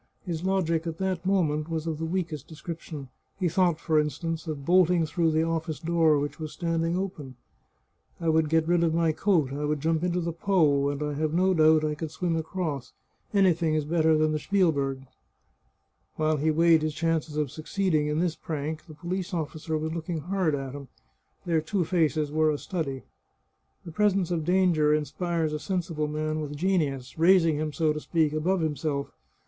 His logic at that moment was of the weakest descrip tion. He thought, for instance, of bolting through the office door, which was standing open. " I would get rid of my 2Q2 The Chartreuse of Parma coat, I would jump into the Po, and I have no doubt I could swim across. Anything is better than the Spielberg." While he weighed his chances of succeeding in this prank, the police officer was looking hard at him ; their two faces were a study. The presence of danger inspires a sensible man with genius, raising him, so to speak, above himself.